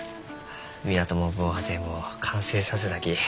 港も防波堤も完成させたき。